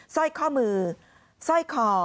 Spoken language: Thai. สร้อยข้อมือสร้อยคอ